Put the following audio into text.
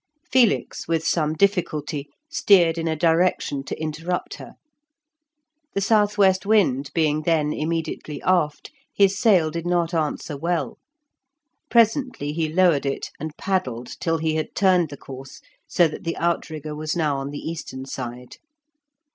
Felix, with some difficulty, steered in a direction to interrupt her. The south west wind being then immediately aft, his sail did not answer well; presently he lowered it, and paddled till he had turned the course so that the outrigger was now on the eastern side.